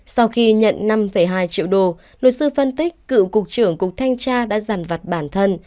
sau khi nhận năm hai triệu đô luật sư phân tích cựu cục trưởng cục thanh tra đã giàn vặt bản thân